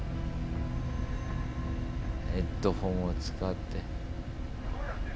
ヘッドホンを使って。